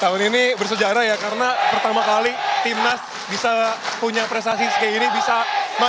tahun ini bersejarah ya karena pertama kali tim nas bisa punya prestasi seperti ini bisa masuk sejauh ini ke dalam olimpiade